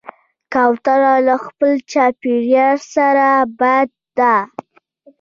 کوتره له خپل چاپېریال سره بلد ده.